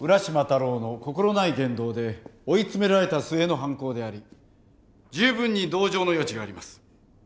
太郎の心ない言動で追い詰められた末の犯行であり十分に同情の余地があります。